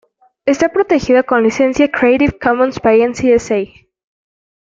Está protegido con licencia Creative Commons by-nc-sa.